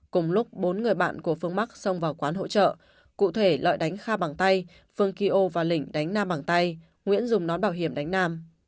cùng lúc bốn người bạn của phương mắc xông vào quán hỗ trợ cụ thể lợi đánh kha bằng tay phương kỳ ô và lĩnh đánh nam bằng tay nguyễn dùng nón bảo hiểm đánh nam